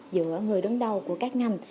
giữa người đứng đầu của các ngành